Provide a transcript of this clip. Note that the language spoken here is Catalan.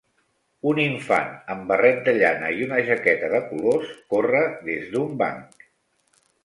Un infant amb barret de llana i una jaqueta de colors corre des d'un banc.